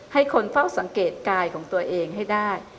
ให้คนเฝ้าสังเกตกายของตัวเองให้ได้